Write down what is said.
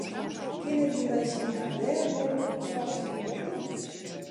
Kinne dy minsken har dêr no op foarstean litte?